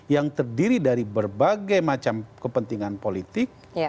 yang terdiri dari berbagai macam kepentingan politik